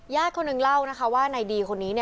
ย่าขนึงเล่าว่าในดี่คนนี้